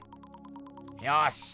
よし！